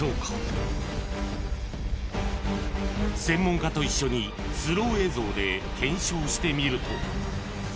［専門家と一緒にスロー映像で検証してみると］